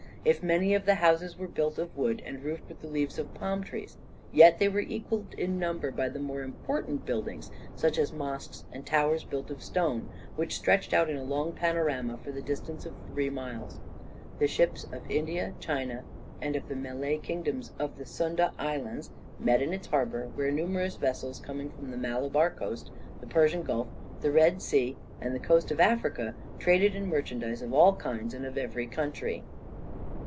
If many of the houses were built of wood, and roofed with the leaves of the palm tree, yet they were equalled in number by the more important buildings, such as mosques and towers built of stone, which stretched out in a long panorama for the distance of three miles. The ships of India, China, and of the Malay kingdoms of the Sunda Islands, met in its harbour, where numerous vessels coming from the Malabar coast, the Persian Gulf, the Red Sea, and the coast of Africa traded in merchandise of all kinds and of every country.